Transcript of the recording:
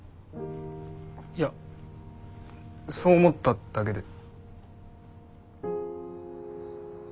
いやそう思っただけで。